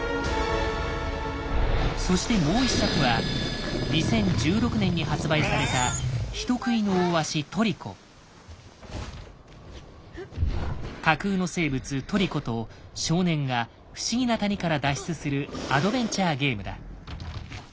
そしてもう一作は２０１６年に発売された架空の生物「トリコ」と少年が不思議な谷から脱出するアドベンチャーゲームだ。